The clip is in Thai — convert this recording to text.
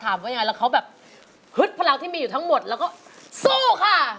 แล้วเขาแบบฮึดพลักษณ์ที่มีอยู่ทั้งหมดแล้วก็สู้ค่ะ